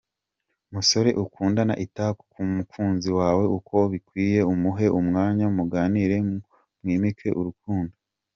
Musore ukundana ita ku mukunzi wawe uko bikwiye umuhe umwanya muganire mwimike urukundo.